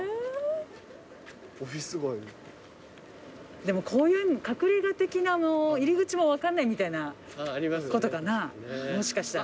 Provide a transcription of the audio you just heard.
でもこういう隠れ家的な入り口も分かんないみたいなことかなもしかしたら。